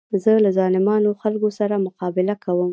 زه له ظالمو خلکو سره مقابله کوم.